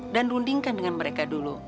dan rundingkan dengan mereka dulu